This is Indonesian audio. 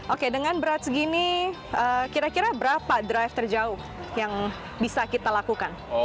oke dengan berat segini kira kira berapa drive terjauh yang bisa kita lakukan